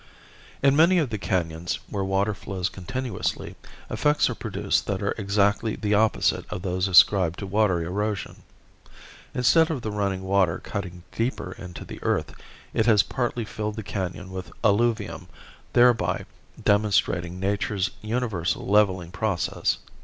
In many of the canons where water flows continuously, effects are produced that are exactly the opposite of those ascribed to water erosion. Instead of the running water cutting deeper into the earth it has partly filled the canon with alluvium, thereby demonstrating nature's universal leveling process.